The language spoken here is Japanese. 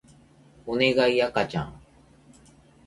おねがい赤ちゃん